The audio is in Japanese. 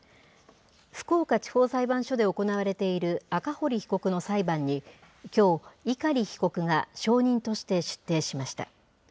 福岡地方裁判所で行われている赤堀被告の裁判にきょう、碇被告が証人として出廷しました。